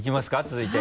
続いて。